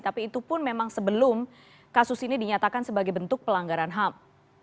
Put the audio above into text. tapi itu pun memang sebelum kasus ini dinyatakan sebagai bentuk pelanggaran ham